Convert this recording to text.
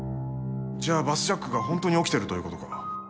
じゃあバスジャックが本当に起きてるということか。